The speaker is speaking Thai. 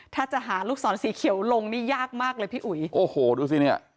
ถ้าจะหาลูกศรสีเขียวลงนี่ยากมากเลยพี่อุ๋ยโอ้โหดูสิเนี่ย